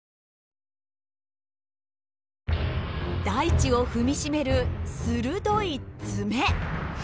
大地を踏み締める鋭い爪。